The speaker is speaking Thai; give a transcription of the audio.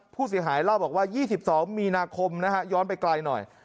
ผู้เสียหายเล่าบอกว่า๒๒มีนาคมนะฮะย้อนไปไกลหน่อย